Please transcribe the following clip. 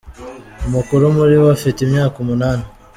Umukuru muri bo afite imyaka umunani.